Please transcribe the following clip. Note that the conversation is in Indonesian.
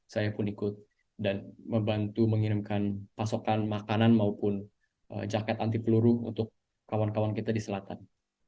saya pun ikut dan membantu mengirimkan pasokan makanan maupun jaket anti peluru untuk kawan kawan kita di selatan